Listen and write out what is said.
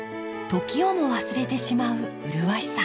時をも忘れてしまう麗しさ。